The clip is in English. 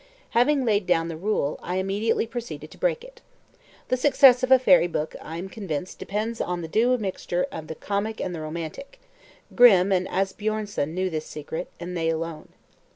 Having laid down the rule, I immediately proceeded to break it. The success of a fairy book, I am convinced, depends on the due admixture of the comic and the romantic: Grimm and Asbjörnsen knew this secret, and they alone.